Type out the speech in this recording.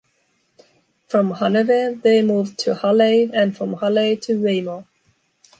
From Hanover they moved to Halle and from Halle to Weimar.